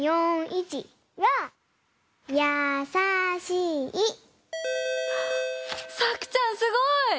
さくちゃんすごい！